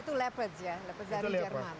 itu leopard ya leopard dari jerman